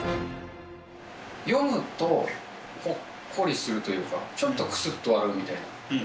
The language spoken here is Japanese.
読むと、ほっこりするというか、ちょっとくすっと笑うみたいな。